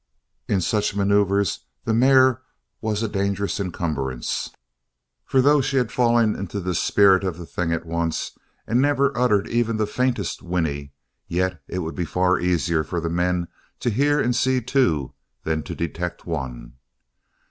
In such maneuvers the mare was a dangerous encumbrance, for though she had fallen into the spirit of the thing at once and never uttered even the faintest whinny yet it would be far easier for the men to hear and see two than to detect one.